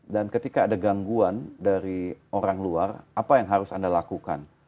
dan ketika ada gangguan dari orang luar apa yang harus anda lakukan